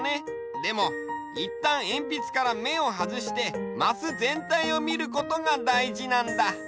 でもいったんえんぴつからめをはずしてマスぜんたいをみることがだいじなんだ。